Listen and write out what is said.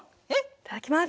いただきます！